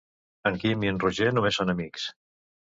En Quim i en Roger només són amics.